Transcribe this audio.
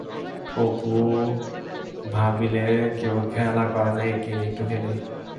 অপু ভাবিল-এর সঙ্গে কেউ খেলা করে না, একে নিয়ে একটু খেলি।